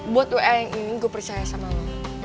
buat wa yang ini gue percaya sama lo